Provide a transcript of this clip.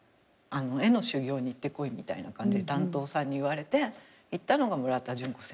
絵の修業に行ってこいみたいな感じで担当さんに言われて行ったのが村田順子先生のうちで。